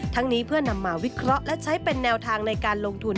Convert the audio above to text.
นี้เพื่อนำมาวิเคราะห์และใช้เป็นแนวทางในการลงทุน